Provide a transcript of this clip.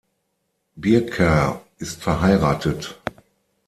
Birker ist verheiratet.